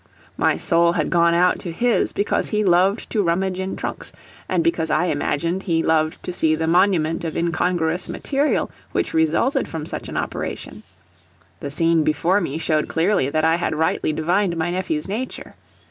My soul had gone out to his because he loved to rummage in trunks, and because I imagined he loved to see the monument of incongruous material which resulted from such an operation; the scene before me showed clearly that I had rightly divined my nephew's nature.